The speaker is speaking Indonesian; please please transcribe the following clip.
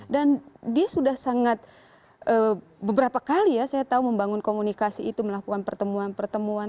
dia sudah sangat beberapa kali ya saya tahu membangun komunikasi itu melakukan pertemuan pertemuan